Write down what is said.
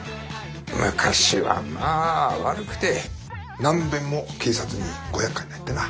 昔はまあ悪くて何べんも警察にごやっかいになってな。